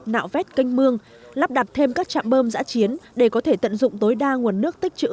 nạo vét canh mương lắp đặt thêm các trạm bơm giã chiến để có thể tận dụng tối đa nguồn nước tích chữ